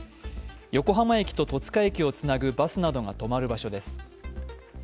横浜駅と戸塚駅をつなぐバスなどが止まる場所です。